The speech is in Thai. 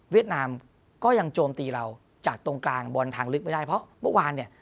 เวียดนามก็ยังโจมตีเราจากตรงกลางบนทางลึกไม่ได้เพราะเมื่อวาน